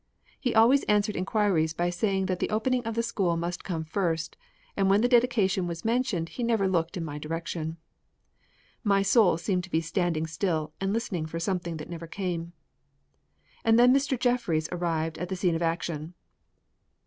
He always answered inquiries by saying that the opening of the school must come first and when the dedication was mentioned he never looked in my direction. My soul seemed to be standing still and listening for something that never came. And then Mr. Jeffries arrived on the scene of action.